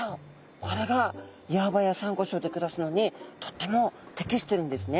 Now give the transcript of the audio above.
これが岩場やサンゴ礁で暮らすのにとっても適してるんですね。